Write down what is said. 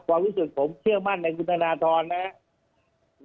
ความรู้สึกผมเชื่อมั่นในคุณธนทรนะครับ